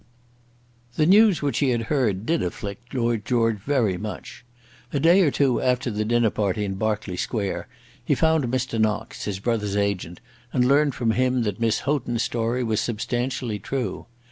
The news which he had heard did afflict Lord George very much. A day or two after the dinner party in Berkeley Square he found Mr. Knox, his brother's agent, and learned from him that Miss Houghton's story was substantially true.